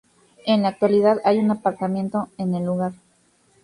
En la actualidad, hay un aparcamiento en el lugar.